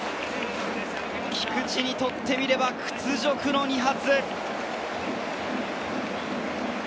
菊地にとってみれば屈辱の２発。